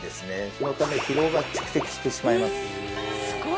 そのため疲労が蓄積してしまいます